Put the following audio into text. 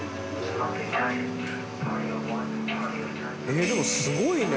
えーでもすごいね。